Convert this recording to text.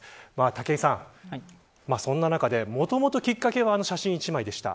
武井さん、そんな中でもともときっかけはあの写真１枚でした。